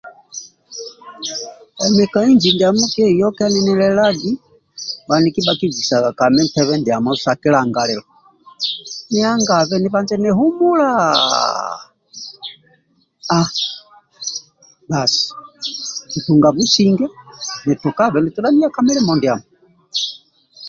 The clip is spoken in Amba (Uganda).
Emi ka inji ndiamo ki yokia ninilelagi haniki ndibhamo bhakibikisaga kami ntebe ndiamo sa kilangalilo kitunga businge nitukabe nitodha niya ka milimo ndiamo